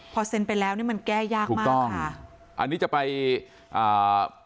พอเซนไปแล้วเนี้ยมันแก้ยากมากค่ะถูกต้องอันนี้จะไปอ่า